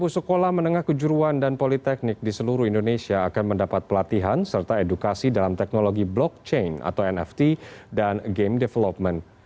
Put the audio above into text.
sepuluh sekolah menengah kejuruan dan politeknik di seluruh indonesia akan mendapat pelatihan serta edukasi dalam teknologi blockchain atau nft dan game development